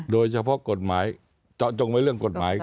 โดยเฉพาะกฎหมายเจาะจงไว้เรื่องกฎหมาย